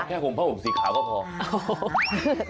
แค่ขุมพั่งบุ๊กสีข่าก็พอ